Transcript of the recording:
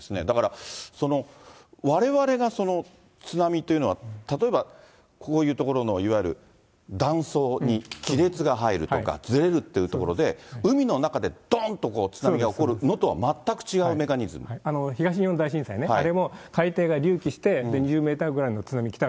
だから、われわれが、その津波というのは、例えば、こういう所のいわゆる断層に亀裂が入るとか、ずれるというところで、海の中でどんと津波が起こるのととはまったく違うメカニズム？東日本大震災ね、